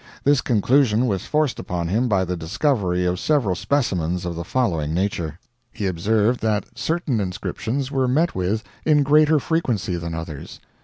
This conclusion was forced upon him by the discovery of several specimens of the following nature: He observed that certain inscriptions were met with in greater frequency than others.